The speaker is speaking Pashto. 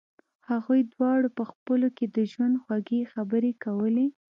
هغوی دواړو په خپلو کې د ژوند خوږې خبرې کولې